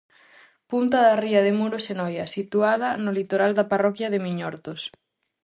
Punta da ría de Muros e Noia, situada no litoral da parroquia de Miñortos.